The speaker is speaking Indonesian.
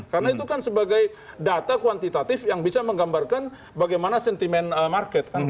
karena itu kan sebagai data kuantitatif yang bisa menggambarkan bagaimana sentimen market